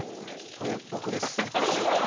これ僕です。